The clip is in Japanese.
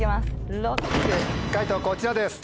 解答こちらです。